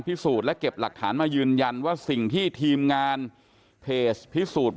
พิสูจน์และเก็บหลักฐานมายืนยันว่าสิ่งที่ทีมงานเพจพิสูจน์